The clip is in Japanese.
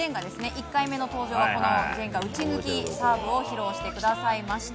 １回目の登場がこのジェンガ打ち抜きサーブを披露してくださいました。